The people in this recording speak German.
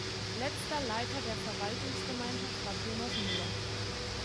Letzter Leiter der Verwaltungsgemeinschaft war Thomas Müller.